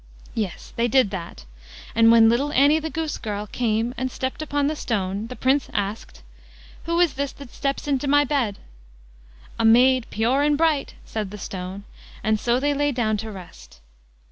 Yes! they did that. And when little Annie the goose girl came and stepped upon the stone, the Prince asked: "Who is this that steps into my bed." "A maid pure and bright", said the stone; and so they lay down to rest.